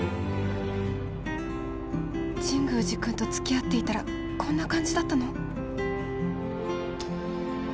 神宮寺君と付き合っていたらこんな感じだったの？